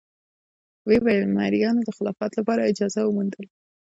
ویې ویل: مریانو د خلافت له دربار اجازه وموندله.